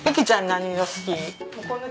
何色好き？